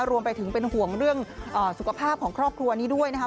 รวมไปถึงเป็นห่วงเรื่องสุขภาพของครอบครัวนี้ด้วยนะคะ